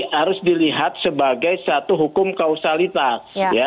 harus dilihat sebagai satu hukum kausalitas